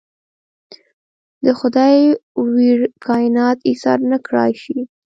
د خدای ویړ کاینات ایسار نکړای شي.